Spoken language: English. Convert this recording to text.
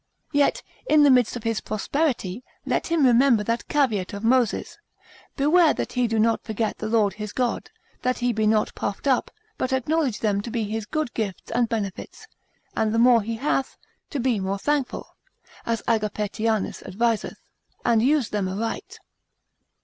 Yet in the midst of his prosperity, let him remember that caveat of Moses, Beware that he do not forget the Lord his God; that he be not puffed up, but acknowledge them to be his good gifts and benefits, and the more he hath, to be more thankful, (as Agapetianus adviseth) and use them aright.